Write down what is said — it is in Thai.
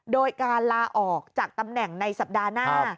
โดยการลาออกจากตำแหน่งในสัปดาห์หน้า